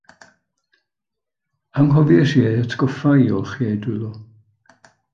Anghofiais i eu hatgoffa i olchi eu dwylo.